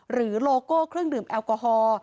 โลโก้เครื่องดื่มแอลกอฮอล์